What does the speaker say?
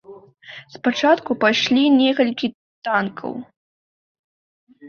Спачатку пайшлі некалькі танкаў.